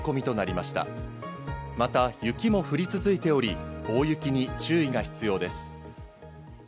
また雪も降り続いており、大雪に注意が必要です。